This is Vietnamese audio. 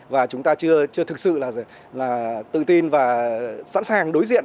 và chúng ta chưa thực sự là tự tin và sẵn sàng đối diện